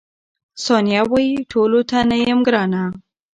ثانیه وايي، ټولو ته نه یم ګرانه.